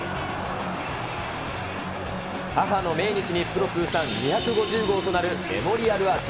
母の命日にプロ通算２５０号となるメモリアルアーチ。